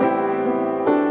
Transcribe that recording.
aku ganggu kamu